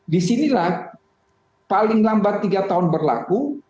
di sinilah paling lambat tiga tahun berlaku